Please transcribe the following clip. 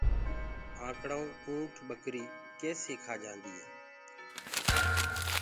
آنڪڙآئو اُنٺ ٻڪري ڪيسي کآ جآندآئين